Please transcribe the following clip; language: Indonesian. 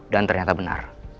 dan ternyata benar